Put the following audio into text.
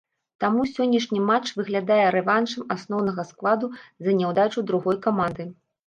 Таму сённяшні матч выглядае рэваншам асноўнага складу за няўдачу другой каманды.